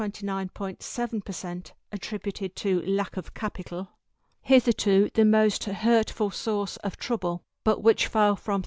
7 per cent attributed to lack of capital, hitherto the most hurtful source of trouble, but which fell from 31.